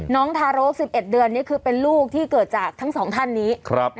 ทารก๑๑เดือนนี้คือเป็นลูกที่เกิดจากทั้งสองท่านนี้